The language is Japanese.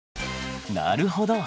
なるほど。